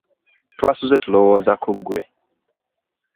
Twasuze tulowooza ku ggwe.